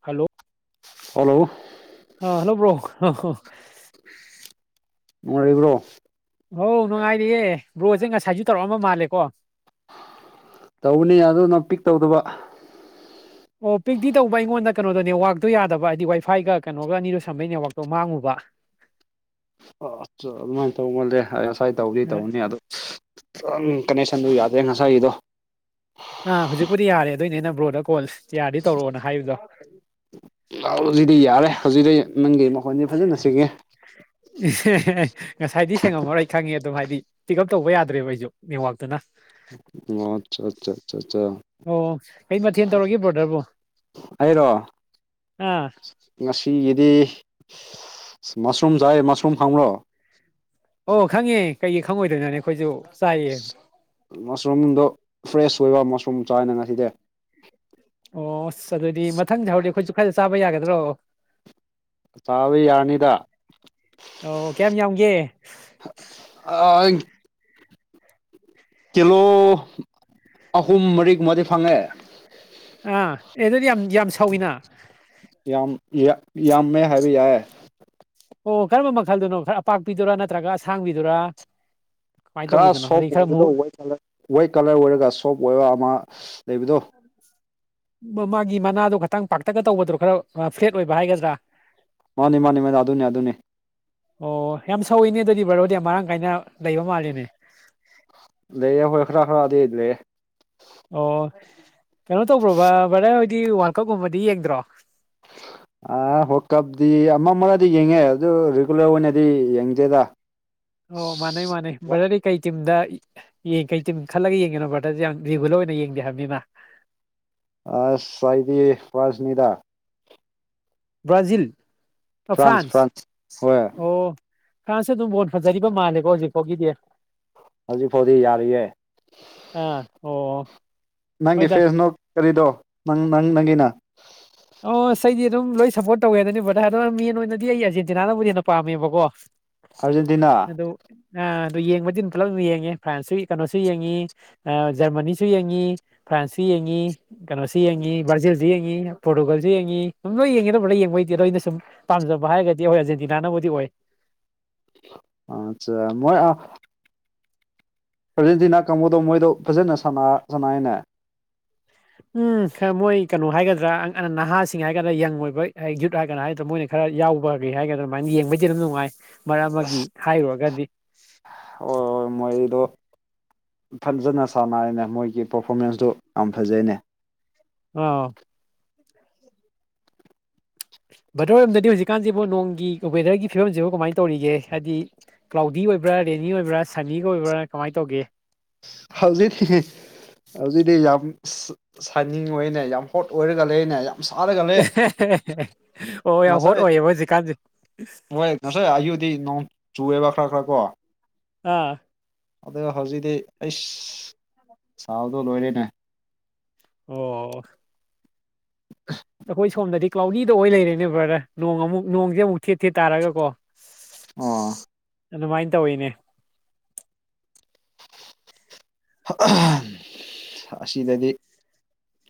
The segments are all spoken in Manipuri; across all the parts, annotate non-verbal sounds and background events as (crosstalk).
ꯍꯜꯂꯣ ꯍꯜꯂꯣ ꯑ ꯍꯜꯂꯣ ꯕ꯭ꯔꯣ ꯅꯨꯡꯉ ꯂꯩꯕ꯭ꯔꯣ ꯍ ꯅꯨꯡꯉꯥꯏꯔꯤꯌꯦꯦ ꯕ꯭ꯔꯣꯁꯦ ꯉꯁꯥꯏꯁꯨ ꯇꯧꯔꯛꯑꯝꯕ ꯃꯥꯜꯂꯦꯀꯣ ꯇꯧꯕꯅꯦ ꯑ ꯅꯪ ꯄꯤꯛ ꯇꯧꯗꯕ ꯑꯣ ꯄꯤꯛꯇꯤ ꯇꯧꯕ ꯑꯩꯉꯣꯟꯗ ꯀꯩꯅꯣꯗꯣ ꯅꯦꯠꯋꯥꯛꯇꯣ ꯌꯥꯗꯕ ꯍꯥꯏꯗꯤ ꯋꯥꯏꯐꯥꯏꯒ ꯀꯩꯅꯣꯒ ꯑꯅꯤꯔꯣ ꯁꯝꯕꯒꯤ ꯅꯦꯠꯋꯥꯛꯇꯣ ꯃꯥꯡꯉꯨꯕ ꯑ ꯑ ꯑꯗꯨꯃꯥꯏꯅ ꯇꯧꯒꯜꯂꯦ ꯑꯩ ꯉꯁ꯭ꯋꯥꯏ ꯇꯧꯗꯤ ꯑ ꯇꯧꯅꯤ ꯑꯗꯣ ꯪ ꯀꯟꯅꯦꯛꯁꯟꯗꯨ ꯌꯥꯗ꯭ꯔꯦ ꯉꯁꯥꯏꯒꯤꯗꯣ ꯑꯥ ꯍꯧꯖꯤꯛꯄꯨꯗꯤ ꯌꯥꯔꯦ ꯑꯗꯨꯣꯏꯅꯦ ꯅ ꯕ꯭ꯔꯣꯗ ꯀꯣꯜ ꯌꯥ ꯌꯥꯔꯗꯤ ꯇꯧꯔꯛꯑꯣꯅ ꯍꯥꯏꯕꯗꯣ ꯂ ꯍꯧꯖꯤꯛꯗꯤ ꯌꯥꯔꯦ ꯍꯧꯖꯤꯛꯗ ꯅꯪꯒꯤ ꯃꯈꯣꯟꯁ ꯐꯖꯅ ꯆꯤꯡꯉꯦ ꯑꯦꯍꯍ ꯉꯁꯥꯏꯗꯤ ꯁꯦꯡꯉꯝꯃꯔ ꯑꯩ ꯈꯪꯉꯦ ꯑꯗꯨꯝ ꯍꯥꯏꯗꯤ ꯄꯤꯛ ꯎꯞ ꯇꯧꯕ ꯌꯥꯗ꯭ꯔꯦꯕ ꯑꯩꯁꯨ ꯅꯦꯋꯥꯛꯇꯨꯅ ꯑꯣ ꯑꯠꯆꯥ ꯑꯆꯥ ꯑ ꯑꯆꯥ ꯑꯣ ꯀꯩ ꯃꯊꯦꯜ ꯇꯧꯔꯒꯦ ꯕ꯭ꯔꯣꯗꯔꯕꯨ ꯍꯥꯏꯔꯣ ꯑꯥ ꯉꯁꯤꯒꯤꯗꯤ ꯗꯤ ꯃꯁꯔꯨꯝꯁꯥꯏ ꯃꯁꯔꯨꯝ ꯐꯪꯕꯣ ꯑꯣ ꯈꯪꯉꯦ ꯀꯩꯒꯤ ꯈꯪꯉꯣꯏꯗꯣꯏꯅꯣꯅꯦ ꯑꯩꯈꯣꯏꯁꯨ ꯆꯥꯏꯌꯦ ꯃꯁꯔꯨꯝꯗ ꯐ꯭ꯔꯦꯁ ꯁꯣꯏꯕ ꯃꯁꯔꯨꯝ ꯆꯥꯏꯅ ꯉꯁꯤꯗꯤꯦ ꯑꯣ ꯑꯁ ꯑꯗꯨꯗꯤ ꯃꯊꯪꯁ ꯍꯧꯔꯛ ꯑꯩꯈꯣꯏꯁꯨ ꯈꯔ ꯆꯥꯕ ꯌꯥꯒꯗ꯭ꯔꯣ ꯑꯣ ꯆꯕꯤ ꯌꯥꯅꯗ ꯍ ꯑ ꯀꯤꯂꯣ ꯑꯍꯨꯝ ꯃꯔꯤꯒꯨꯝꯕꯗꯤ ꯐꯪꯉꯦ ꯑꯥ ꯑꯦ ꯑꯗꯨꯗꯤ ꯌꯥꯝ ꯌꯥꯝ ꯁꯧꯏꯤꯅ ꯌꯥꯝ ꯌꯥꯝꯃꯦ ꯍꯥꯏꯕꯤ ꯌꯥꯏ ꯑꯣ ꯀꯔꯝꯕ ꯃꯈꯜꯗꯨꯅꯣ ꯈꯔ ꯑꯄꯥꯛꯄꯤꯗꯨꯔꯥ ꯅꯠꯇ꯭ꯔꯒ ꯑꯁꯥꯡꯕꯤꯗꯨꯔꯥ ꯀꯃꯥꯏꯅ ꯈꯔ ꯇꯧꯕꯤꯗꯣꯏꯅꯣ ꯑꯗꯩ ꯁꯣꯐ ꯈꯔ ꯃꯨ ꯑꯣꯏꯒꯗ ꯋꯥꯏꯠ ꯀꯂꯔ ꯑꯣꯏꯔꯒ ꯁꯣꯐ ꯑꯣꯏꯕ ꯑꯃ ꯂꯩꯕꯗꯣ ꯎ ꯃꯥꯒꯤ ꯃꯅꯥꯗꯣ ꯈꯇꯪ ꯄꯥꯛꯇꯛꯒ ꯇꯧꯕꯗꯣ ꯈꯔ ꯐ꯭ꯂꯦꯠ ꯑꯣꯏꯕ ꯍꯥꯏꯒꯗ꯭ꯔꯥ ꯃꯥꯅꯤ ꯃꯥꯅꯤ ꯃꯥ ꯑꯗꯨꯅꯤ ꯑꯗꯨꯅꯤ ꯑꯣ ꯌꯥꯝ ꯁꯧꯋꯤꯅꯦ ꯑꯗꯨꯗꯤ ꯕꯔꯣꯗꯤ ꯌꯥꯝ ꯃꯔꯥꯡ ꯀꯥꯏꯅ ꯂꯩꯕ ꯃꯥꯜꯂꯤꯦꯅꯦ ꯂꯩꯌꯦ ꯍꯣꯏ ꯈꯔꯥ ꯈꯔꯥꯗ ꯂꯩ ꯑꯣ ꯀꯩꯅꯣ ꯇꯧꯕ꯭ꯔꯣꯕ ꯚꯔꯦꯟ ꯍꯣꯏꯗꯤ ꯋꯥꯡꯀꯛꯀꯨꯝꯕꯗꯤ ꯌꯦꯡꯗ꯭ꯔꯣ ꯍ ꯀꯞꯗꯤ ꯑꯃ ꯑꯃꯅꯗꯤ ꯌꯦꯡꯉꯦ ꯑꯗꯨ ꯔꯤꯒꯨꯂꯔ ꯑꯣꯏꯅꯗꯤ ꯌꯦꯡꯗꯦꯗ ꯑꯣ ꯃꯥꯅꯦ ꯃꯥꯅꯦ ꯔꯔꯤ ꯀꯩ ꯇꯤꯝꯗ ꯌꯦꯡ ꯀꯩ ꯇꯨꯝ ꯈꯜꯂꯒ ꯌꯦꯡꯒꯦꯅꯣ ꯚꯔꯗꯁꯦ ꯌꯥꯝ ꯔꯤꯒꯨꯂꯔ ꯑꯣꯏꯅ ꯌꯦꯡꯗꯦ ꯍꯥꯏꯕꯅꯤꯅ ꯑꯥꯏꯗꯤ ꯐꯁꯅꯤꯗꯥ ꯕ꯭ꯔꯥꯖꯤꯜ ꯑ ꯐ꯭ꯔꯥꯟꯁ ꯐ꯭ꯔꯥꯟꯁ ꯍꯣꯏ ꯀꯥꯁꯦ ꯑꯗꯨꯝ ꯍꯣꯟ ꯐꯖꯔꯤꯕ ꯃꯥꯜꯂꯦꯀꯣ ꯍꯧꯖꯤꯛ ꯐꯥꯎꯒꯤꯗꯤ ꯍꯧꯖꯤꯛ ꯐꯥꯎꯗꯤ ꯌꯥꯔꯤꯌꯦ ꯑꯥ ꯑꯣ ꯅꯪꯒꯤ ꯍꯣꯏꯗ ꯐꯦꯁꯅꯨ ꯈꯔꯤꯗꯣ ꯅꯪ ꯅꯪ ꯅꯪꯒꯤꯅ ꯑꯣ ꯏꯁꯩꯗꯤ ꯑꯗꯨꯝ ꯂꯣꯏ ꯁꯞꯄꯣꯔꯠ ꯇꯧꯋꯦ ꯑꯗꯨꯅꯦ ꯕꯗ ꯑꯗ ꯃꯦꯟ ꯑꯣꯏꯅꯗꯤ ꯑꯩ ꯑꯥꯔꯖꯦꯟꯇꯤꯅꯥꯅꯕꯨꯗꯤ ꯍꯦꯟꯅ ꯄꯥꯝꯃꯦꯕꯀꯣ ꯑꯔꯖꯦꯟꯇꯤꯅꯥ ꯑ ꯑꯗꯨ ꯌꯦꯡꯕꯗꯤ ꯑꯗꯨꯝ ꯄꯨꯂꯞ ꯑꯗꯨꯝ ꯌꯦꯡꯉꯤ ꯐ꯭ꯔꯥꯟꯁꯁꯨ ꯀꯩꯅꯣꯁꯨ ꯌꯦꯡꯉꯤ ꯖꯔꯃꯅꯤꯁꯨ ꯌꯦꯡꯉꯤ ꯐ꯭ꯔꯥꯟꯁꯁꯨ ꯌꯦꯡꯉꯤ ꯀꯩꯅꯣꯁꯨ ꯌꯦꯡꯉꯤ ꯕ꯭ꯔꯥꯖꯤꯜꯁꯨ ꯌꯦꯡꯉꯤ ꯄꯣꯔꯇꯨꯒꯜꯁꯨ ꯌꯦꯡꯉꯤ ꯁꯨꯝ ꯂꯣꯏ ꯌꯦꯡꯉꯤꯗꯕ ꯂꯣꯏ ꯌꯦꯡꯕꯩꯗꯤ ꯂꯣꯏ ꯑꯅ ꯁꯨꯝ ꯄꯥꯝꯖꯕ ꯍꯥꯏꯔꯒꯗꯤ ꯑꯩꯈꯣꯏ ꯑꯥꯔꯖꯦꯟꯇꯤꯅꯥꯅꯕꯨꯗꯤ ꯑꯣꯏ ꯑꯆꯥ ꯃꯣꯏ ꯑ ꯑꯥꯔꯖꯦꯟꯇꯤꯅꯥ ꯀꯥꯡꯕꯨꯗꯣ ꯃꯣꯏꯗꯣ ꯐꯖꯅ ꯁꯥꯟꯅꯥꯏꯅꯦ ꯎꯝ ꯈꯔ ꯃꯣꯏ ꯀꯩꯅꯣ ꯍꯥꯏꯒꯗ꯭ꯔꯥ ꯅꯍꯥꯁꯤꯡ ꯍꯥꯏꯒꯗ꯭ꯔꯥ ꯌꯪ ꯑꯣꯏꯕ ꯌꯨꯠ ꯍꯥꯏꯒꯗꯅ ꯍꯥꯏꯒꯗ꯭ꯔꯥ ꯃꯣꯏꯅ ꯈꯔ ꯌꯥꯎꯕ ꯀꯩ ꯍꯥꯏꯒꯗ꯭ꯔꯥ ꯑꯗꯨꯃꯥꯏꯅ ꯌꯦꯡꯕꯩꯗꯤ ꯑꯗꯨꯝ ꯅꯨꯡꯉꯥꯏ ꯃꯔꯝ ꯍꯥꯏꯔꯨꯔꯒꯗꯤ (inaudible) ꯍꯣꯏ ꯍꯣꯏ ꯃꯣꯏꯗꯣ ꯐꯖꯅ ꯁꯥꯟꯅꯔꯩꯅꯦ ꯃꯣꯏꯒꯤ ꯄꯔꯐꯣꯔꯃꯦꯟꯁꯇꯣ ꯌꯥꯝ ꯐꯖꯩꯅꯦ ꯑ ꯕꯗꯔꯣꯝꯗꯗꯤ ꯍꯧꯖꯤꯛꯀꯥꯟꯁꯤꯕꯨ ꯅꯣꯡꯒꯤ ꯋꯦꯗꯔꯒꯤ ꯐꯤꯕꯝꯁꯤꯕꯨ ꯀꯃꯥꯏꯅ ꯇꯧꯔꯤꯒꯦ ꯍꯥꯏꯕꯗꯤ ꯀ꯭ꯂꯥꯎꯗꯤ ꯑꯣꯏꯕ꯭ꯔꯥ ꯔꯦꯅꯤ ꯑꯣꯏꯕ꯭ꯔꯥ ꯁꯟꯅꯤꯒ ꯑꯣꯏꯕ꯭ꯔꯥ ꯀꯃꯥꯏꯅ ꯇꯧꯒꯦ ꯍꯧꯖꯤꯛꯇ ꯍꯧꯖꯤꯛꯇꯤ ꯌꯥꯝ ꯁꯥꯏꯅꯤꯡ ꯑꯣꯏꯅ ꯌꯥꯝ ꯍꯣꯠ ꯑꯣꯏꯔꯒ ꯂꯩꯅ ꯌꯥꯝ ꯁꯥꯔꯒ ꯂꯩ ꯑꯣ ꯌꯥꯝ ꯍꯣꯠ ꯉꯁꯥꯏ ꯑꯣꯏꯌꯦꯕ ꯍꯧꯖꯤꯛꯀꯥꯟꯁꯦ ꯍꯣꯏ ꯉꯁꯥꯏ ꯑꯌꯨꯗꯤ ꯅꯣꯡ ꯆꯨꯑꯦꯕ ꯈꯔ ꯈꯔ ꯀꯣ ꯑꯥ ꯑ ꯍꯧꯖꯤꯛꯇꯤ ꯑꯩ ꯁꯥꯕꯗꯣ ꯂꯣꯏꯔꯦꯅꯦ ꯑꯣ ꯑ ꯑꯩꯈꯣꯏ ꯁꯣꯝꯗꯗꯤ ꯀ꯭ꯂꯥꯎꯗꯤꯗ ꯑꯣꯏ ꯂꯩꯔꯦꯅꯦ ꯕ꯭ꯔꯥꯗ ꯅꯣꯡ ꯑꯃꯨꯛ ꯅꯣꯡꯁꯦ ꯑꯃꯨꯛ ꯊꯦꯠ ꯊꯦꯠ ꯇꯥꯔꯒꯀꯣ ꯑꯣ ꯑꯗꯨꯃꯥꯏꯅ ꯇꯧꯋꯤꯅꯦ ꯑꯁꯤꯗꯗꯤ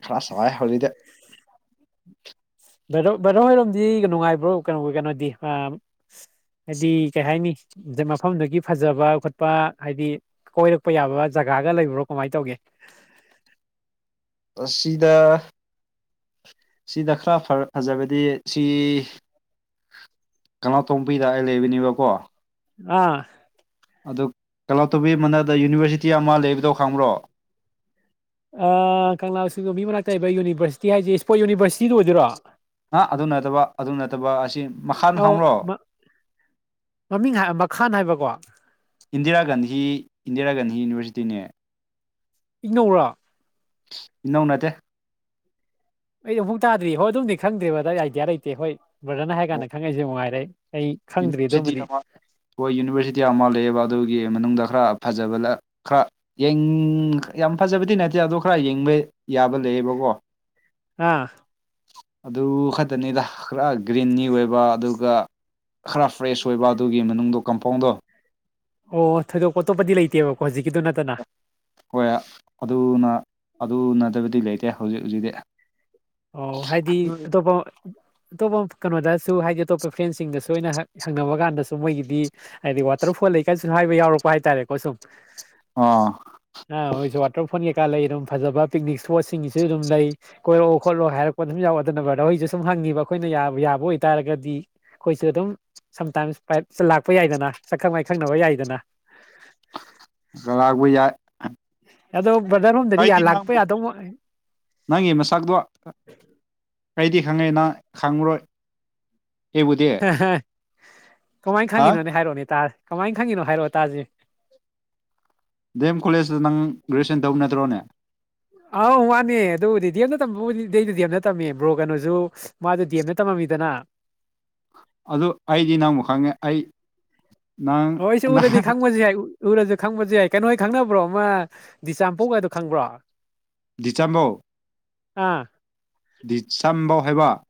ꯈꯔ ꯁꯋꯥꯏ ꯍꯧꯖꯤꯛꯇꯤ ꯚꯦꯔꯣ ꯍꯣꯏꯔꯣꯝꯗꯤ ꯅꯨꯡꯉꯥꯏꯕ꯭ꯔꯣ ꯀꯩꯅꯣ ꯀꯩꯅꯣꯗꯤ ꯍꯥꯏꯗꯤ ꯀꯩ ꯍꯥꯏꯅꯤ ꯃꯐꯝꯗꯨꯒꯤ ꯐꯖꯕ ꯈꯣꯠꯄ ꯍꯥꯏꯗꯤ ꯀꯣꯏꯔꯛꯄ ꯌꯥꯕ ꯖꯒꯥꯒ ꯂꯩꯕ꯭ꯔꯣ ꯀꯃꯥꯏꯅ ꯇꯧꯒꯦ ꯁꯤꯗ ꯁꯤꯗ ꯈꯔ ꯐꯖꯕꯗꯤ ꯁꯤ ꯀꯪꯂꯥꯇꯣꯡꯕꯤꯗ ꯑꯩ ꯂꯩꯕꯅꯦꯕꯀꯣ ꯑꯥ ꯑꯗꯨ ꯀꯂꯣꯇꯧꯕꯤ ꯃꯅꯗ ꯌꯨꯅꯤꯚꯔꯁꯤꯇꯤ ꯑꯃ ꯂꯩꯕꯗꯣ ꯈꯪꯕ꯭ꯔꯣ ꯀꯪꯂꯥ ꯆꯁꯤꯡꯕꯣ ꯃꯤ ꯃꯅꯥꯛꯇ ꯂꯩꯕ ꯌꯨꯅꯤꯚꯔꯁꯤꯇꯤ ꯍꯥꯏꯁꯦ ꯏꯁꯄꯣꯔꯠ ꯌꯨꯅꯤꯚꯔꯁꯤꯇꯤꯗꯨ ꯑꯣꯏꯗꯣꯏꯔꯣ ꯑ ꯑꯗꯨ ꯅꯠꯇꯕ ꯑꯗꯨ ꯅꯠꯇꯕ ꯑꯁꯤ ꯃꯈꯥ ꯑꯧ ꯍꯥꯡꯔꯣ ꯃꯃꯤꯡ ꯍꯥꯏ ꯃꯈꯥꯟ ꯍꯥꯏꯕꯀꯣ ꯏꯟꯗꯤꯔꯥ ꯒꯥꯟꯙꯤ ꯏꯟꯗꯤꯔꯥ ꯒꯥꯟꯙꯤ ꯌꯨꯅꯤꯚꯔꯁꯤꯇꯤꯅꯦ ꯏꯪꯅꯧꯔ ꯅꯧꯅꯠꯇꯦ ꯑꯩꯗꯤ ꯍꯨꯛ ꯇꯥꯗ꯭ꯔꯤ ꯍꯣꯏ ꯑꯗꯨꯝꯗꯤ ꯈꯪꯗ꯭ꯔꯦꯕꯗ ꯑꯩ ꯑꯥꯏꯗꯤꯌꯥ ꯂꯩꯇꯦ ꯍꯣꯏ ꯕ꯭ꯔꯗꯅ ꯍꯥꯏ ꯀꯥꯟꯗ ꯈꯪꯛꯏꯦꯅꯨꯡꯉꯥꯏꯔꯦ ꯌꯨꯅꯤꯔꯁꯇꯤ ꯑꯃ ꯌꯨꯅꯤꯔꯁꯇꯤ ꯑꯃ ꯂꯩꯕꯗꯧꯒꯤ ꯃꯅꯨꯡꯗ ꯈꯔ ꯐꯖꯕ ꯈꯔ ꯌꯥꯝ ꯐꯖꯕꯗꯤ ꯅꯠꯇꯦ ꯑꯗ ꯈꯔ ꯌꯦꯡꯕꯩ ꯌꯥꯕ ꯂꯩꯌꯦꯕꯀꯣ ꯑꯥ ꯑꯗꯨ ꯈꯛꯇꯅꯤꯗ ꯈꯔ ꯒ꯭ꯔꯤꯟꯅꯤ ꯑꯣꯏꯕ ꯑꯗꯨꯒ ꯈꯔ ꯐ꯭ꯔꯦꯁ ꯑꯣꯏꯕ ꯑꯗꯨꯒꯤ ꯃꯅꯨꯡꯗ ꯀꯝꯄꯥꯎꯟꯗ ꯑꯣ ꯊꯣꯏꯗꯣꯛ ꯑꯇꯣꯞꯄꯗꯤ ꯂꯩꯇꯦꯕꯀꯣ ꯍꯧꯖꯤꯛꯀꯤꯗꯨ ꯅꯠꯇꯅ ꯍꯣꯏ ꯑꯗꯨꯅ ꯑꯗꯨꯅꯗꯕꯗꯤ ꯂꯩꯇꯦ ꯍꯧꯖꯤꯛ ꯍꯧꯖꯤꯛꯇꯤ ꯑꯣ ꯍꯥꯏꯗꯤ ꯑꯇꯣꯞꯄ ꯑꯇꯣꯞꯄ ꯀꯩꯅꯣꯗꯁꯨ ꯍꯥꯏꯗꯤ ꯑꯇꯣꯞꯄ ꯐ꯭ꯔꯦꯟꯁꯤꯡꯗꯁꯨ ꯑꯩꯅ ꯍꯪꯅꯕ ꯀꯥꯟꯗꯁꯨ ꯃꯣꯏꯒꯤꯗꯤ ꯍꯥꯏꯗꯤ ꯋꯥꯇꯔꯐꯣꯜ ꯂꯩ ꯀꯥꯏꯁꯨ ꯍꯥꯏꯕ ꯌꯥꯎꯔꯛꯄ ꯍꯥꯏꯇꯥꯔꯦꯀꯣ ꯁꯨꯝ ꯑꯥ ꯑꯣꯏꯁꯨꯦ ꯋꯥꯇꯔ ꯐꯣꯟ ꯀꯥ ꯂꯩ ꯑꯗꯨꯝ ꯐꯖꯕ ꯄꯤꯛꯅꯤꯛ ꯏꯁꯄꯣꯠꯁꯤꯡꯒꯤꯁꯨ ꯑꯗꯨꯝ ꯂꯩ ꯀꯣꯏꯔ ꯈꯣꯠꯂꯣ ꯍꯥꯏꯔꯛꯄ ꯑꯗꯨꯝ ꯌꯥꯎ ꯑꯗꯨꯅ ꯗꯣ ꯍꯣꯏꯁꯨ ꯁꯨꯝ ꯍꯪꯉꯕ ꯑꯩꯈꯣꯏꯅ ꯌꯥꯕ ꯑꯣꯏꯇꯥꯥꯔꯒꯗꯤ ꯑꯩꯈꯣꯏꯁꯨ ꯑꯗꯨꯝ ꯁꯝꯇꯥꯏꯝꯁ ꯄꯥꯏꯞ ꯂꯥꯛꯄ ꯌꯥꯏꯗꯅ ꯁꯛꯈꯪ ꯃꯥꯏꯈꯪꯅꯕ ꯌꯥꯏꯗꯅ ꯂꯥꯛꯄ ꯌꯥꯏ ꯑꯗꯣ ꯕꯗꯔꯔꯣꯝꯗꯗꯤ ꯑꯩꯗꯤ ꯂꯥꯛꯄ ꯅꯪꯕꯨ ꯌꯥꯗꯧ ꯅꯪꯒꯤ ꯃꯁꯛꯇꯣ ꯑꯩꯗꯤ ꯈꯪꯉꯦ ꯅ ꯈꯪꯉꯔꯣꯏ ꯑꯩꯕꯨꯗꯤ ꯀꯃꯥꯏꯅ ꯑ ꯈꯪꯉꯤꯅꯣꯅꯦ ꯍꯥꯏꯔꯛꯑꯣꯅꯦ ꯇꯥꯔꯦ ꯀꯃꯥꯏꯅ ꯈꯪꯉꯤꯅꯣ ꯍꯥꯏꯔꯛꯑꯣ ꯇꯥꯁꯦ ꯗꯦꯝ ꯀꯣꯂꯦꯖꯇ ꯅꯪ ꯒ꯭ꯔꯦꯖꯨꯑꯦꯁꯟ ꯇꯧꯕ ꯅꯠꯇ꯭ꯔꯣꯅꯦ ꯑꯥꯎ ꯋꯥꯅꯦ ꯑꯗꯨꯕꯨꯗꯤꯗꯤ ꯑꯦꯝꯅ ꯇꯝꯕꯕꯨꯗꯤ ꯑꯩꯗꯨ ꯗꯤ ꯑꯦꯝꯅ ꯇꯝꯃꯦ ꯕ꯭ꯔꯣ ꯀꯩꯅꯣꯁꯨ ꯃꯥꯗꯨ ꯗꯤ ꯑꯦꯝꯅ ꯇꯝꯃꯝꯃꯤꯗꯅ ꯑꯗꯨ ꯑꯩꯗꯤ ꯅꯪꯕꯨ ꯈꯪꯉꯦ ꯑꯩ ꯅꯪ ꯑꯣ ꯑꯩꯁꯦ ꯅꯪ ꯎꯔꯗꯤ ꯈꯪꯕꯁꯨ ꯌꯥꯏ ꯎꯔꯗꯤ ꯈꯪꯕꯁꯨ ꯌꯥꯏ ꯀꯩꯅꯣ ꯍ ꯈꯪꯅꯕ ꯈꯕ꯭ꯔꯣ ꯑꯃ ꯗꯤ ꯆꯥꯝꯄꯣꯛꯒꯗꯣ ꯈꯪꯕ꯭ꯔꯣ ꯗꯤꯁꯦꯝꯕꯣ ꯑꯥ ꯍꯥꯏꯕ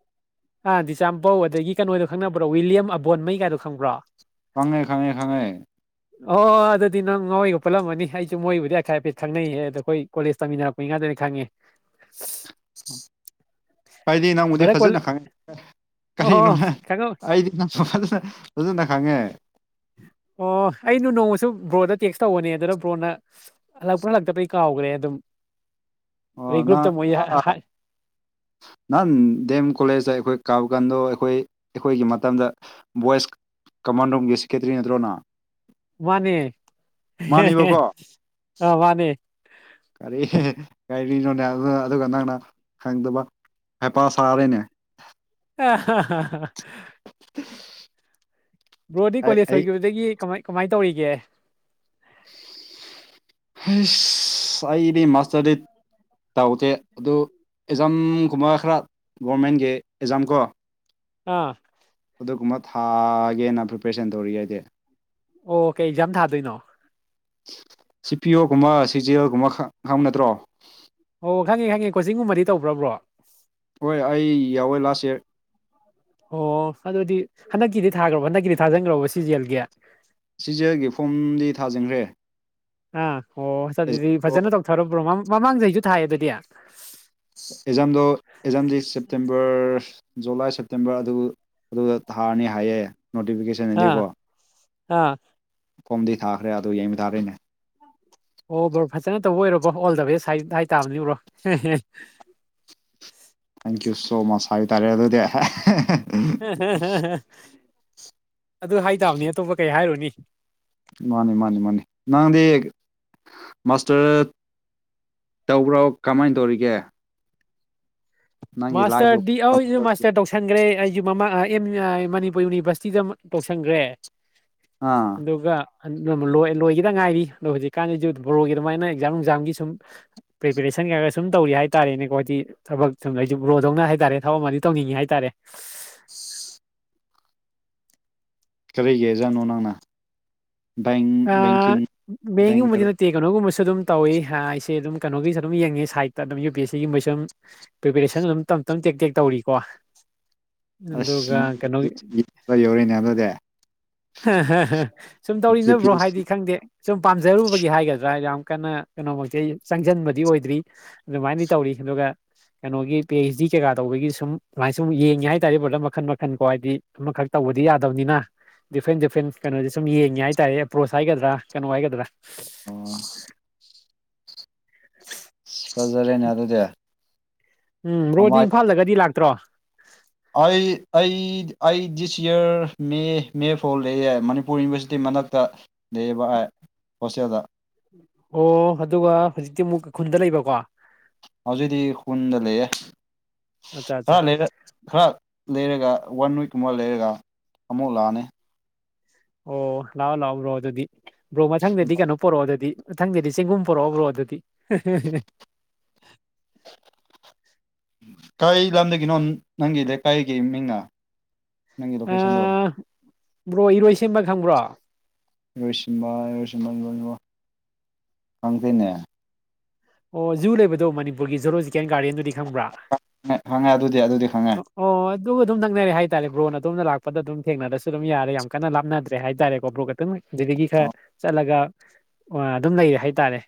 ꯑ ꯗꯤꯆꯥꯝꯄꯧ ꯑꯗꯒꯤ ꯀꯩꯅꯣꯗꯣ ꯈꯪꯅꯕ꯭ꯔꯣ ꯋꯤꯂꯤꯌꯝ ꯑꯕꯣꯟꯃꯩ ꯀꯥꯏꯗꯣ ꯈꯪꯕ꯭ꯔꯣ ꯈꯉꯦ ꯈꯥꯉꯦ ꯈꯥꯉꯦ ꯑꯣꯣꯏ ꯑꯗꯨꯗꯤ ꯅꯪ ꯉꯣꯏꯒ ꯄꯨꯜꯂꯝꯃꯅꯤ ꯑꯩꯁꯨ ꯃꯣꯏꯕꯨꯗꯤ ꯑꯩ ꯍꯥꯏꯐꯦꯠ ꯈꯪꯅꯩꯌꯦꯦ ꯑꯗ ꯑꯩꯈꯣꯏ ꯀꯣꯂꯦꯖ ꯇꯃꯤꯟꯅꯔꯛꯄꯅꯤ ꯉꯥꯛꯗꯅꯤ ꯈꯪꯉꯦ ꯀꯥꯏꯗꯤ ꯅꯪꯕꯨꯗꯤ ꯚꯔꯠ ꯀꯣꯂꯦ ꯐꯖꯅ ꯈꯉꯦ ꯑꯣ ꯀꯔꯤꯅꯣꯅꯦ ꯈꯪꯉꯝ ꯑꯩꯗꯤ ꯐꯖꯅ ꯐꯖ ꯈꯉꯦ ꯑꯣ ꯑꯩꯩꯅ ꯅꯣꯡꯃꯁꯨ ꯕ꯭ꯔꯣꯗ ꯇꯦꯛꯁ ꯇꯧꯕꯅꯦ ꯑꯗꯨꯅ ꯕ꯭ꯔꯣꯅ ꯍꯜꯂꯛꯄꯅ ꯂꯛꯇꯕꯩ ꯀꯥꯎꯈ꯭ꯔꯦ ꯑꯗꯨꯝ ꯑꯣ ꯑꯗꯩ ꯅ ꯒ꯭ꯔꯨꯞꯇ ꯃꯣꯏ ꯍꯥꯏ ꯅꯍꯥꯟ ꯗꯦꯝ ꯀꯣꯂꯦꯖꯇ ꯑꯩꯈꯣꯏ ꯀꯕꯀꯥꯟꯗꯣ ꯑꯩꯈꯣꯏ ꯑꯩꯈꯣꯏꯒꯤ ꯃꯇꯝꯗ ꯚꯣꯏꯁ ꯀꯃꯥꯟ ꯔꯨꯝꯒꯤ ꯁꯦꯀꯦꯇꯔꯤ ꯅꯠꯇ꯭ꯔꯣꯅ ꯃꯥꯅꯦ ꯃꯥꯅꯦꯕꯀꯣ ꯑ ꯃꯥꯅꯦ ꯀꯔꯤ ꯀꯔꯤꯔꯤꯅꯣꯅꯦ ꯑꯗꯨꯒ ꯅꯪꯅ ꯈꯪꯗꯕ ꯍꯥꯏꯄꯥ ꯁꯥꯔꯅꯦ ꯑ (inaudible) ꯕ꯭ꯔꯣꯗꯤ ꯑꯩ ꯀꯣꯂꯦꯖ ꯑꯩ ꯁꯣꯏꯈꯤꯕꯗꯒꯤ ꯀꯃꯥꯏ ꯀꯃꯥꯏꯅ ꯇꯧꯔꯤꯒꯦ ꯑꯁ ꯑꯩꯗꯤ ꯃꯥꯁꯇꯔꯗꯤꯠ ꯇꯧꯒꯦ ꯑꯗꯨ ꯑꯦꯛꯖꯥꯝꯒꯨꯝꯕ ꯈꯔ ꯒꯚꯃꯦꯟꯒꯤ ꯑꯦꯛꯖꯥꯝ ꯀꯣ ꯑꯥ ꯑꯗꯨꯒꯨꯝꯕ ꯊꯥꯒꯦꯅ ꯄ꯭ꯔꯤꯄꯦꯔꯦꯁꯟ ꯇꯧꯔꯤ ꯍꯥꯏꯗꯤ ꯑꯣ ꯀꯩ ꯌꯥꯝ ꯊꯥꯗꯣꯏꯅꯣ ꯁꯤ ꯄꯤꯌꯒꯨꯝꯕ ꯁꯤꯖꯦꯜꯒꯨꯝꯕ ꯈꯪꯕ ꯅꯠꯇ꯭ꯔꯣ ꯑꯣ ꯈꯪꯉꯦ ꯈꯪꯉꯦ ꯀꯣꯆꯤꯡꯒꯨꯝꯕꯗꯤ ꯇꯧꯕ꯭ꯔꯕ꯭ꯔꯣ ꯍꯣꯏ ꯑꯩ ꯌꯥꯎꯋꯦ ꯂꯥꯁ ꯏꯌꯥꯔ ꯑꯣ ꯑꯗꯨꯗꯤ ꯍꯟꯗꯛꯀꯤꯗꯤ ꯊꯥꯈ꯭ꯔꯕ ꯍꯟꯗꯛꯀꯤꯗꯤ ꯊꯥꯖꯤꯟꯈ꯭ꯔꯕ ꯁꯤꯖꯦꯜꯒꯤ ꯁꯤꯖꯒꯦ ꯐꯣꯝꯗꯤ ꯊꯥꯖꯤꯟꯈ꯭ꯔꯦ ꯑꯥ ꯑꯣ ꯆ ꯑꯗꯨꯗꯤ ꯑꯦꯛꯖꯥꯝꯗꯣ ꯐꯖꯅ ꯇꯧꯊꯔꯕ꯭ꯔꯣ ꯃꯥ ꯃꯃꯥꯡꯗꯩꯁꯨ ꯊꯥꯏꯑꯌꯦ ꯑꯗꯨꯗꯤ ꯑꯦꯖꯥꯝꯗ ꯑꯦꯖꯥꯝꯗꯤ ꯁꯦꯞꯇꯦꯝꯕꯔ ꯖꯨꯂꯥꯏ ꯁꯦꯞꯇꯦꯝꯕꯔ ꯑꯗꯨ ꯑꯗꯨ ꯊꯥꯔꯅꯤ ꯍꯥꯏꯌꯦꯦ ꯅꯣꯇꯤꯐꯤꯀꯦꯁꯟꯗꯤꯀꯣ ꯑꯥ ꯐꯣꯝꯗꯤ ꯊꯥꯈ꯭ꯔꯦ ꯑꯗꯨ ꯌꯦꯡꯕ ꯇꯥꯔꯤꯅꯦ ꯑꯣ ꯕꯔꯣ ꯐꯖꯅ ꯇꯧꯕ ꯑꯣꯏꯔꯕꯣ ꯑꯣꯜ ꯗ ꯕꯦꯁ ꯍꯥꯏ ꯍꯥꯏ ꯇꯥꯕꯅꯤ ꯎ꯭ꯔꯣ ꯊꯦꯡꯀ꯭ꯌꯨ ꯁꯣ ꯃꯁ ꯍꯥꯏꯇꯥꯔꯦ ꯑꯗꯨꯗꯤ ꯎꯝꯝꯝ ꯑꯗꯨ ꯍꯥꯏꯇꯥꯕꯅꯦ ꯑꯇꯣꯞꯄ ꯀꯩ ꯍꯥꯏꯔꯨꯅꯤ ꯃꯥꯅꯤ ꯃꯥꯅꯤ ꯃꯥꯅꯤ ꯅꯪꯗꯤ ꯃꯥꯁꯇꯔ ꯇꯧꯕ꯭ꯔꯣ ꯀꯃꯥꯏꯅ ꯇꯧꯔꯤꯒꯦ ꯅꯪꯒꯤ ꯃꯥꯁꯇꯔꯗꯤ ꯂꯥꯏꯐꯇꯣ ꯑꯩꯁꯨ ꯃꯥꯁꯇꯔ ꯇꯧꯁꯟꯈ꯭ꯔꯦ ꯑꯩꯁꯨ ꯃꯃꯥ ꯑꯦꯝ ꯑꯥꯏ ꯃꯅꯤꯄꯨꯔ ꯌꯨꯅꯤꯚꯔꯁꯤꯇꯤꯗ ꯇꯧꯁꯟꯈ꯭ꯔꯦ ꯑꯥ ꯑꯗꯨꯒꯒ ꯂ ꯂꯣꯏꯒꯤꯗ ꯉꯥꯏꯔꯤ ꯑꯗꯣ ꯍꯧꯖꯤꯛꯀꯥꯟꯁꯤꯁꯨ ꯕꯣꯔꯣꯒꯤ ꯑꯗꯨꯃꯥꯏꯅ ꯑꯦꯛꯖꯥꯝ ꯅꯨꯡꯖꯥꯝꯒꯤ ꯁꯨꯝ ꯄ꯭ꯔꯤꯄꯦꯔꯦꯁꯟ ꯀꯩ ꯈꯔ ꯁꯨꯝ ꯇꯧꯔꯤ ꯍꯥꯏꯇꯥꯥꯔꯦꯅꯦꯀꯣ ꯍꯥꯏꯗꯤ ꯊꯕꯛ ꯁꯨꯝ ꯑꯩꯁꯨꯨꯝ ꯔꯣꯗꯧꯅ ꯍꯥꯏꯇꯥꯔꯦ ꯊꯕꯛ ꯑꯃꯗꯤ ꯇꯧꯅꯤꯡꯉꯤ ꯍꯥꯏꯇꯥꯔꯦ (inaudible) ꯀꯔꯤꯒꯤ ꯑꯦꯖꯥꯠꯅꯣ ꯅꯪꯅ ꯕ ꯕꯦꯡꯀꯤꯡ ꯕꯦꯡꯔ ꯁ ꯑꯗꯨꯝ ꯇꯧꯋꯤ ꯑꯩꯁꯦ ꯑꯗꯨꯝ ꯀꯩꯅꯣꯒꯤꯁꯨ ꯑꯗꯨꯝ ꯌꯦꯡꯉꯤ ꯁꯥꯏꯠꯇ ꯑꯗꯨꯝ ꯌꯨ ꯄꯤ ꯑꯦꯁ ꯁꯤꯒꯨꯝꯕꯩꯁꯨ ꯑꯗꯨꯝ ꯄ꯭ꯔꯤꯄꯦꯔꯦꯁꯟ ꯑꯗꯨꯝ ꯇꯝ ꯇꯅ ꯇꯦꯛ ꯇꯦꯛ ꯇꯧꯔꯤꯀꯣ ꯑꯁ ꯑꯗꯨꯒ ꯀꯩꯅꯣꯒꯤ ꯅꯣꯏ ꯌꯧꯔꯦꯅꯦ ꯑꯗꯨꯗꯤ ꯁꯨꯝ ꯌꯨ ꯄꯤ ꯇꯧꯔꯤꯅꯕ ꯭ꯔꯣ ꯑꯦꯁ ꯍꯥꯏꯗꯤ ꯁꯤ ꯈꯪꯗꯦ ꯁꯨꯝ ꯄꯥꯝꯖꯔꯨꯕꯒꯤ ꯍꯥꯏꯒꯗ꯭ꯔꯥ ꯌꯥꯝ ꯀꯟꯅ ꯀꯩꯅꯣꯃꯛꯇꯤ ꯆꯪꯁꯤꯟꯕꯗꯤ ꯑꯣꯏꯗ꯭ꯔꯤ ꯑꯗꯨꯃꯥꯏꯅꯗꯤ ꯇꯧꯔꯤ ꯑꯗꯨꯒ ꯀꯩꯅꯣꯒꯤ ꯄꯤ ꯑꯩꯩꯆ ꯗꯤ ꯀꯩꯀꯥ ꯇꯧꯕꯒꯤ ꯁꯨꯝ ꯁꯃꯥꯏ ꯁꯨꯝ ꯌꯦꯡꯉꯦ ꯍꯥꯏꯇꯥꯔꯦ ꯕꯣꯂꯞ ꯃꯈꯟ ꯃꯈꯟꯀꯣ ꯍꯥꯏꯗꯤ ꯑꯃꯈꯛ ꯇꯧꯕꯗꯤ ꯌꯥꯗꯕꯅꯤꯅ ꯗꯤꯐ꯭ꯔꯦꯟ ꯗꯤꯐ꯭ꯔꯦꯟ ꯀꯩꯅꯣꯗꯤ ꯁꯨꯝ ꯌꯦꯡꯉꯦ ꯍꯥꯏꯇꯥꯔꯦ ꯄ꯭ꯔꯣꯁ ꯍꯥꯏꯒꯗ꯭ꯔꯥ ꯀꯩꯅꯣ ꯍꯥꯏꯒꯗ꯭ꯔꯥ ꯑ (inaudible) (inaudible) (inaudible) ꯁꯖꯔꯦꯅ ꯑꯗꯨꯗꯌꯥ ꯎꯝ ꯔꯣꯗꯤ ꯏꯝꯐꯥꯜꯗꯒꯗꯤ ꯂꯥꯛꯇ꯭ꯔꯣ ꯑꯩ ꯑꯩ ꯗꯤꯁ ꯌꯔ ꯃꯦ ꯃꯦ ꯐꯥꯎ ꯂꯩꯦ ꯃꯅꯤꯄꯨꯔ ꯌꯨꯅꯤꯚꯔꯁꯤꯇꯤ ꯃꯅꯥꯛꯇ ꯂꯩꯕ ꯍꯣꯁꯇꯦꯜꯗ ꯑꯣ ꯑꯗꯨꯒ ꯍꯧꯖꯤꯛꯇꯤ ꯑꯃꯨꯛ ꯀꯈꯨꯟꯗ ꯂꯩꯕꯀꯣ ꯍꯧꯖꯤꯗꯤ ꯈꯨꯨꯟꯗ ꯂꯩ ꯑꯠꯆꯥ ꯍꯥ ꯑꯠꯆꯥ ꯂꯩꯔ ꯍꯥ ꯂꯩꯔꯒ ꯋꯥꯟ ꯋꯤꯛꯀꯨꯝꯕ ꯂꯩꯔꯒ ꯑꯃꯨꯛ ꯂꯥꯛꯑꯅꯤ ꯑꯣ ꯂꯥꯎ ꯂꯥꯎ ꯍ ꯑꯗꯨꯗꯤ ꯕ꯭ꯔꯣ ꯃꯊꯪꯗꯗꯤ ꯀꯩꯅꯣ ꯄꯣꯔꯛꯑꯣꯗꯗꯤ ꯊꯪꯗꯦꯗꯤ ꯆꯦꯡꯒꯨꯝ ꯄꯨꯣꯔꯛꯑꯕ꯭ꯔꯣ ꯑꯗꯨꯗꯤ (inaudible) ꯀꯩ ꯂꯝꯗꯒꯤꯅꯣ ꯅꯪꯒꯤ ꯂꯩꯀꯥꯏꯒꯤ ꯃꯤꯡꯅ ꯅꯪꯒꯤ ꯂꯣꯀꯦꯁꯟꯗꯣ ꯑ ꯕ꯭ꯔꯣ ꯏꯔꯣꯏ ꯁꯦꯝꯕ ꯈꯪꯕ꯭ꯔꯣ ꯏꯔꯣꯏꯁꯤꯟꯕꯥ ꯏꯔꯣꯏꯁꯤꯕ ꯈꯪꯁꯦꯅꯦ ꯑꯣ ꯖꯨ ꯂꯩꯕꯗꯣ ꯃꯅꯤꯄꯨꯔꯒꯤ ꯖꯔꯣ ꯤꯀꯦꯟ ꯒꯥꯔꯗꯦꯟꯗꯨꯗꯤ ꯈꯪꯕ꯭ꯔꯥ ꯈꯪꯉꯦ ꯑꯗꯨꯗꯤ ꯑꯗꯨꯗꯤ ꯈꯪꯉꯦ ꯑꯣ ꯑꯗꯨꯒ ꯑꯗꯨꯝ ꯅꯪꯅꯔꯦ ꯍꯥꯏ ꯇꯇꯥꯔꯦ ꯕ꯭ꯔꯣꯟꯅ ꯑꯗꯣꯝꯅ ꯂꯥꯛꯄꯗ ꯑꯗꯨꯝ ꯊꯦꯡꯅꯔꯁꯨ ꯑꯗꯨꯝ ꯌꯥꯔꯦ ꯌꯥꯝ ꯀꯟꯅ ꯂꯥꯞꯅꯗ꯭ꯔꯦ ꯍꯥꯏ ꯇꯔꯦꯀꯣ ꯕ꯭ꯔꯣꯛ ꯈꯛꯇꯪ ꯑꯗꯨꯗꯒꯤ ꯈꯔ ꯑꯣ ꯆꯠꯂꯒ ꯑꯗꯨꯝ ꯂꯩꯔꯦ ꯍꯥꯏ ꯇꯔꯦ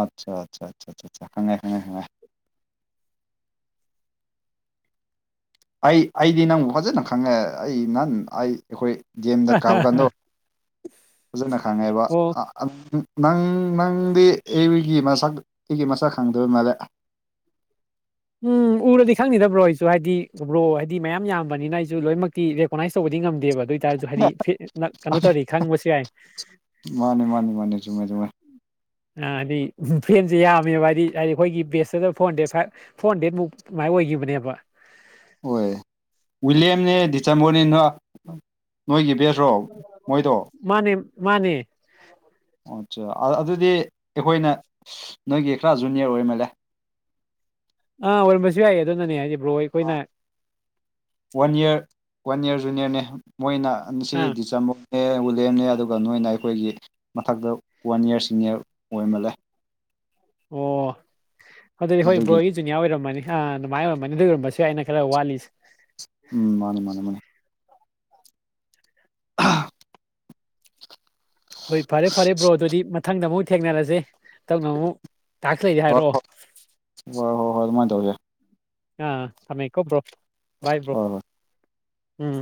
ꯑꯆꯥ ꯑꯆꯥ ꯍ ꯑꯩ ꯑꯩꯗꯤ ꯅꯪꯕꯨ ꯐꯖꯅ ꯈꯪꯉꯦ ꯑꯩ ꯅꯍꯥꯟ ꯑꯩ ꯑꯩꯈꯣꯏ ꯒꯦꯝꯗ ꯀꯥꯕ ꯀꯥꯟꯗꯣ ꯐꯖꯅ ꯈꯪꯉꯦꯕ ꯑꯣ ꯅꯪ ꯅꯪꯗꯤ ꯑꯩꯒꯤ ꯃꯁꯛ ꯑꯩꯒꯤ ꯃꯁꯛ ꯈꯪꯗꯧ ꯃꯥꯜꯂꯦ ꯎꯝ ꯎꯔꯗꯤ ꯈꯪꯅꯤꯗꯕ꯭ꯔꯣ ꯑꯩꯁꯨ ꯍꯥꯏꯗꯤ ꯎꯕ꯭ꯔꯣ ꯍꯥꯏꯗꯤ ꯃꯌꯥꯝ ꯌꯥꯝꯕꯅꯤꯅ ꯑꯩꯁꯨ ꯂꯣꯏꯅꯃꯛꯇꯤ ꯔꯦꯀꯣꯅꯥꯏꯁ ꯇꯧꯕꯗꯤ ꯉꯝꯗꯦ ꯦꯕ ꯑꯗꯨ ꯑꯣꯏꯇꯥꯔꯁꯨ ꯍꯥꯏꯗꯤ ꯀꯩꯅꯣ ꯇꯧꯔꯤ ꯈꯪꯕꯁꯨ ꯌꯥꯏ ꯃꯥꯅꯤ ꯃꯥꯅꯤ ꯃꯥꯅꯤ ꯆꯨꯝꯃꯦ ꯆꯨꯝꯃꯦ ꯍꯥꯏꯗꯤ ꯐꯦꯟꯁꯦ ꯌꯥꯝꯃꯦꯕ ꯍꯥꯏꯗꯤ ꯍꯥꯏꯗꯤ ꯑꯩꯈꯣꯏꯒꯤ ꯕꯦꯁꯇꯗ phone hundred five four hundred ꯃꯨꯛ ꯃꯥꯏ ꯑꯣꯏꯈꯤꯕꯅꯦꯕ ꯍꯣꯏ ꯋꯤꯂꯤꯌꯝꯅꯦ ꯗꯤꯆꯦꯝꯕꯣꯔꯅꯤ ꯅ ꯅꯣꯏꯒꯤ ꯕꯦꯁ ꯃꯥꯅꯦ ꯃꯥꯅꯦ ꯑꯆꯥ ꯑꯗꯨꯗꯤ ꯑꯩꯈꯣꯏꯅ ꯅꯣꯏꯒꯤ ꯈꯔ ꯖꯨꯅꯤꯌꯔ ꯑꯣꯏꯃꯜꯂꯦ ꯑꯜꯝꯁꯕꯤ ꯍꯥꯏꯦ ꯑꯗꯨꯣ ꯅꯅꯦ ꯍꯥꯏꯦ ꯋꯥꯅ ꯌꯦ ꯋꯥꯟ ꯏꯔ ꯨꯅꯤꯌꯔꯅꯦ ꯃꯣꯏꯅ ꯉꯁꯤ ꯑꯥ ꯗꯤꯆꯥꯃꯨꯛ ꯑꯦ ꯋ ꯂꯦꯝꯅꯦ ꯑꯗꯨꯒ ꯅꯣꯏꯅ ꯑꯩꯈꯣꯏꯒꯤ ꯃꯊꯛꯇ ꯋꯥꯟ ꯌꯔ ꯁꯤꯅꯤꯌꯔ ꯑꯣꯏꯔꯃꯜꯂꯦ ꯑꯣ ꯑꯗꯨꯗꯤ ꯍꯣꯏ ꯑꯗꯨꯒꯤ ꯕ꯭ꯔꯣꯒꯤ ꯖꯨꯅꯤꯌꯥ ꯑꯣꯏꯔꯝꯃꯅꯤ ꯑ ꯑꯗꯨꯃꯥꯏꯅ ꯑꯣꯏꯔꯝꯕꯅꯤ ꯑꯗꯨ ꯑꯣꯏꯔꯝꯕꯁꯨ ꯌꯥ ꯑꯩꯅ ꯈꯔ ꯋꯥꯠꯂꯤꯁꯦ ꯎꯝ ꯃꯥꯅꯤ ꯃꯥꯅꯤ ꯃꯥꯅꯤ (inaudible) ꯍꯣꯏ ꯐꯔꯦ ꯐꯔꯦ ꯕ꯭ꯔꯣ ꯑꯗꯨꯗꯤ ꯃꯊꯪꯗ ꯑꯃꯨꯛ ꯊꯦꯡꯅꯔꯁꯦ ꯇꯧꯅ ꯑꯃꯨꯛ ꯇꯥꯛꯁ ꯂꯩꯔꯗꯤ ꯍꯣꯏ ꯍꯥꯏꯔꯛꯑꯣ ꯍꯣꯏ ꯍꯣꯏ ꯍꯣꯏ ꯍꯣꯏ ꯑꯗꯨꯃꯥꯏꯅ ꯇꯧꯒꯦ ꯑ ꯁꯃꯥꯏꯛꯣꯕꯣ ꯚꯥꯏꯕ꯭ꯔꯣ ꯍꯣꯏ ꯍꯣꯏ ꯎꯝ